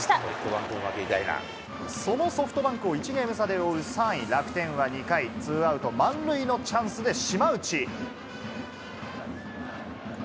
そのソフトバンクを１ゲーム差で追う３位楽天は２回、ツーアウト満塁のチャンスで島内。